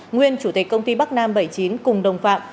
nguyên chủ tịch công ty bắc nam bảy mươi chín cùng đồng phạm